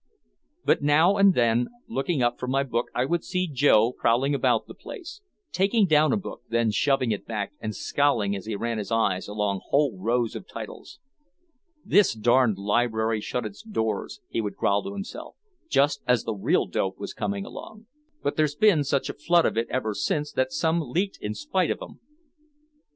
But now and then looking up from my book I would see Joe prowling about the place, taking down a book, then shoving it back and scowling as he ran his eyes along whole rows of titles. "This darned library shut its doors," he would growl to himself, "just as the real dope was coming along. But there's been such a flood of it ever since that some leaked in in spite of 'em."